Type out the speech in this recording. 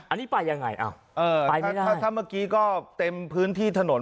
อันนี้ไปยังไงถ้าเมื่อกี้ก็เต็มพื้นที่ถนน